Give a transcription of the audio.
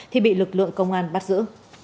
thì bị lực lượng công an bắt giữ